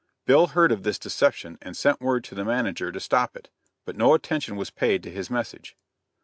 Bill heard of this deception and sent word to the manager to stop it, but no attention was paid to his message.